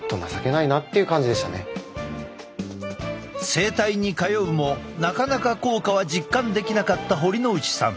整体に通うもなかなか効果は実感できなかった堀之内さん。